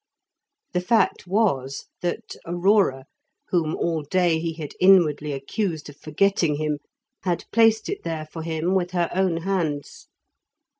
The fact was, that Aurora, whom all day he had inwardly accused of forgetting him, had placed it there for him with her own hands.